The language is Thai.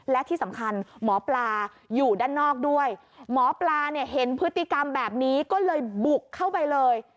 และที่สำคัญหมอปลาอยู่ด้านนอกด้วยหมอปลาเนี่ยเห็นพฤติกรรมแบบนี้ก็เลยบุกเข้าไปเลย